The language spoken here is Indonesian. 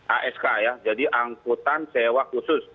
ask ya jadi angkutan sewa khusus